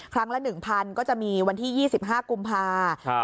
ครั้งละ๑๐๐ก็จะมีวันที่๒๕กุมภา